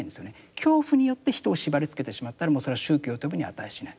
恐怖によって人を縛りつけてしまったらもうそれは宗教と呼ぶに値しない。